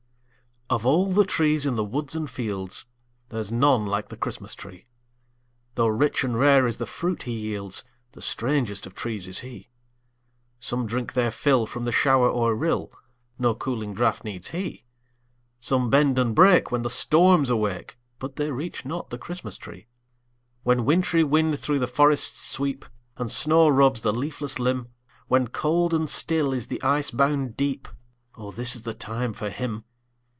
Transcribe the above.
Of all the trees in the woods and fields There's none like the Christmas tree; Tho' rich and rare is the fruit he yields, The strangest of trees is he. Some drink their fill from the shower or rill; No cooling draught needs he; Some bend and break when the storms awake, But they reach not the Christmas tree. When wintry winds thro' the forests sweep, And snow robes the leafless limb; When cold and still is the ice bound deep, O this is the time for him.